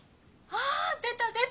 あ出た出た。